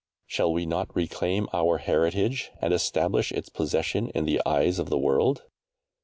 Shall we not reclaim our heritage and establish its possession in the eyes of the world?